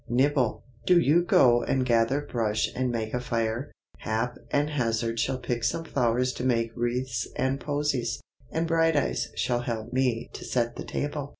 Nibble, do you go and gather brush and make a fire. Hap and Hazard shall pick some flowers to make wreaths and posies, and Brighteyes shall help me to set the table."